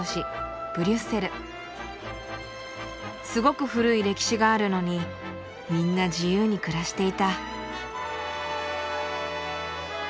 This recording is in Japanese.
すごく古い歴史があるのにみんな自由に暮らしていた。